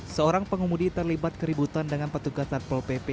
seorang pengemudi terlibat keributan dengan petugas satpol pp